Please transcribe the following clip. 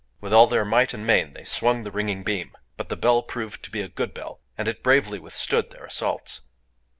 With all their might and main they swung the ringing beam; but the bell proved to be a good bell, and it bravely withstood their assaults.